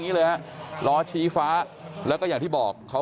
อย่างงี้เลยฮะ